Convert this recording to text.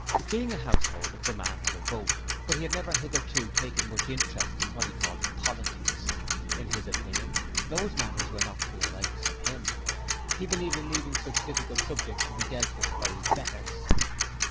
Being a householder the man had a vote, but he had never hitherto taken much interest in what he called 'politics'. In his opinion, those matters were not for the likes of him. He believed in leaving such difficult subjects to be dealt with by his betters.